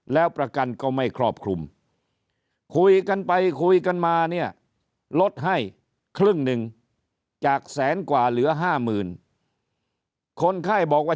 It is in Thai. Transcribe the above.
ลดให้ครึ่งหนึ่งจากแสนกว่าเหลือห้าหมื่นคนไข้บอกว่า